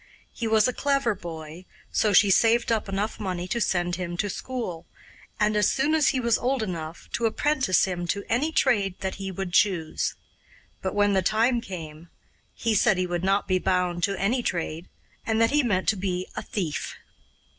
He was a clever boy, so she saved up enough money to send him to school, and, as soon as he was old enough, to apprentice him to any trade that he would choose. But when the time came, he said he would not be bound to any trade, and that he meant to be a thief.